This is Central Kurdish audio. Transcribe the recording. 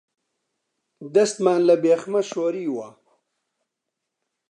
دەستمان لە بێخمە شۆریوە